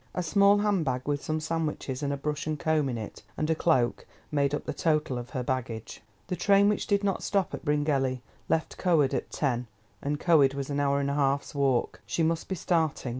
A small hand bag, with some sandwiches and a brush and comb in it, and a cloak, made up the total of her baggage. The train, which did not stop at Bryngelly, left Coed at ten, and Coed was an hour and a half's walk. She must be starting.